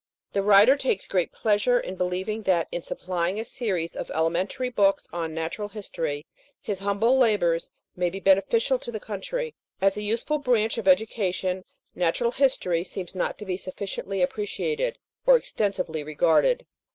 The writer takes great pleasure in believing that in supplying a series of elementary books on natural history, his humble labours may be beneficial to the country. As a useful branch of education, natural history seems not to be sufficiently appreciated, or extensively regarded.